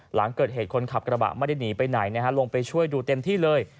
หลังเกิดเหตุคนขับกระบะไม่ได้หนีไปไหนนะฮะลงไปช่วยดูเต็มที่เลย